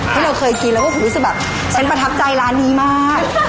เพราะเราเคยกินแล้วก็หูรู้สึกแบบฉันประทับใจร้านนี้มาก